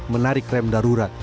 menarik rem darurat